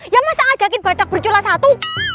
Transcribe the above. ya masa ngajakin batak bercula satu